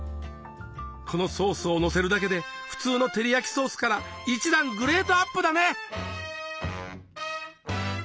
このソースをのせるだけで普通の照り焼きソースから一段グレードアップだね！